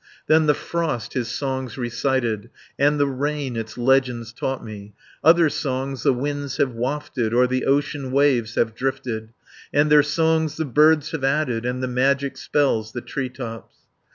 Then the Frost his songs recited, And the rain its legends taught me; Other songs the winds have wafted, Or the ocean waves have drifted; And their songs the birds have added, And the magic spells the tree tops.